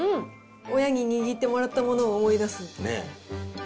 親に握ってもらったものを思い出す。ね。